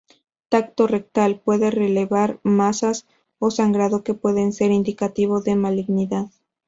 Tacto rectal: puede relevar masas o sangrado que puede ser indicativo de malignidad.